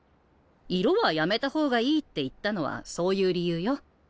色はやめた方がいいって言ったのはそういう理由よ。